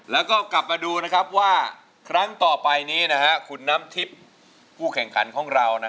แล้วก็กลับมาดูว่าครั้งต่อไปนี้คุณน้ำทิพย์ผู้แข่งขันของเรา